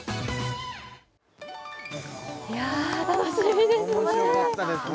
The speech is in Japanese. いや楽しみですね！